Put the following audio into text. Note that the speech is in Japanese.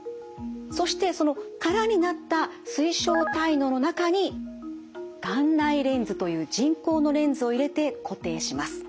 そしてその空になった水晶体嚢の中に眼内レンズという人工のレンズを入れて固定します。